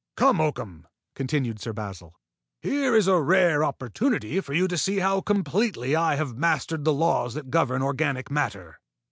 "Come, Oakham," continued Sir Basil. "Here is a rare opportunity for you to see how completely I have mastered the laws that govern organic matter.